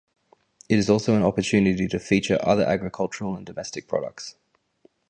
It is also an opportunity to feature other agricultural and domestic products.